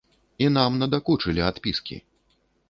І нам надакучылі адпіскі.